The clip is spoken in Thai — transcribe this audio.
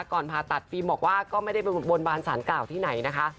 ก่อนผ่าตัดฟิล์มบอกว่าก็ไม่ได้ไปบนบานสารเก่าที่ไหนนะคะ